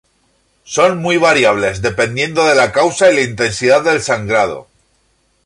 Son muy variables dependiendo de la causa y la intensidad del sangrado.